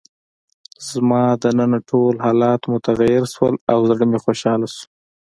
زما دننه ټول حالات متغیر شول او زړه مې خوشحاله شو.